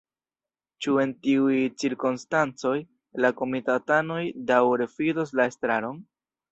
Ĉu en tiuj cirkonstancoj la komitatanoj daŭre fidos la estraron?